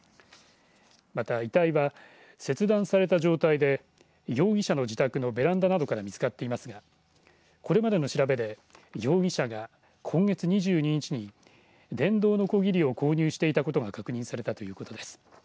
また、遺体は切断された状態で容疑者の自宅のベランダなどから見つかっていますがこれまでの調べで容疑者が今月２２日に電動のこぎりを購入していたことが確認されたということです。